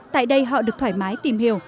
tại đây họ được thoải mái tìm hiểu